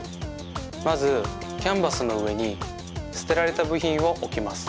まずキャンバスのうえにすてられたぶひんをおきます。